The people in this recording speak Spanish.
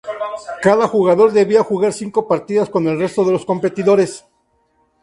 Cada jugador debía jugar cinco partidas con el resto de los competidores.